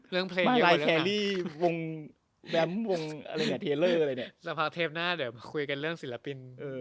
เรื่องเพลงเยอะกว่าเรื่องหนัง